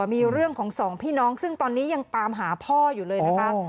มีเรื่องของสองพี่น้องซึ่งตอนนี้ยังตามหาพ่ออยู่เลยนะคะ